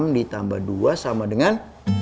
enam ditambah dua sama dengan